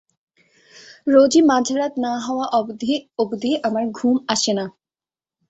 রোজই মাঝরাত না হওয়া অবধি ঘুম আসে না।